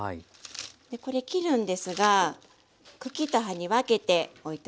これ切るんですが茎と葉に分けて置いておきますね。